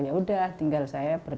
ya udah tinggal saya